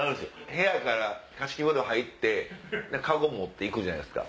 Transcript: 部屋から貸し切り風呂入って籠持って行くじゃないですか。